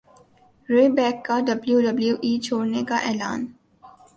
رے بیک کا W W E چھوڑنے کا اعلان